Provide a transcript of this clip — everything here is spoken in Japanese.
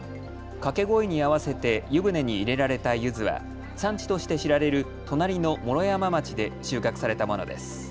掛け声に合わせて湯船に入れられたゆずは産地として知られる隣の毛呂山町で収穫されたものです。